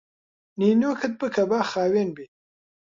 نینۆکت بکە با خاوێن بی